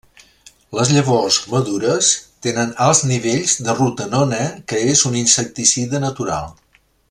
Les llavors madures tenen alts nivells de rotenona que és un insecticida natural.